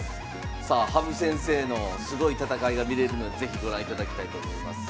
さあ羽生先生のすごい戦いが見れるので是非ご覧いただきたいと思います。